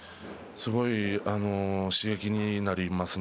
すごい刺激になりますね。